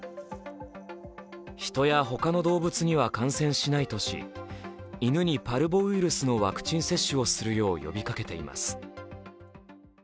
人や他の動物には感染しないとし、犬にパルボウイルスのワクチン接種をするよう呼びかけています。